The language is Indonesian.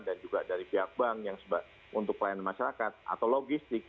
dan juga dari pihak bank yang untuk pelayanan masyarakat atau logistik